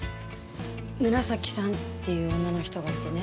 紫さんっていう女の人がいてね。